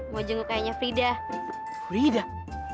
mau jenguk ayahnya fridah